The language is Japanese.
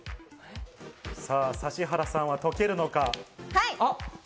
指原さんは解けるのか？